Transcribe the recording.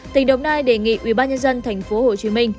tỉnh đồng nai đề nghị ủy ban nhân dân tp hcm